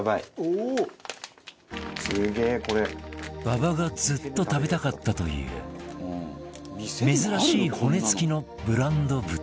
馬場がずっと食べたかったという珍しい骨付きのブランド豚